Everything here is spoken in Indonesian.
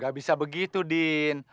tidak bisa begitu din